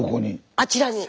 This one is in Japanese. あちらに。